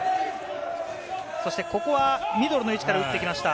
ここはミドルの位置から打ってきました。